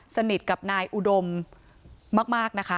สนิทกับนายอุดมมากนะคะ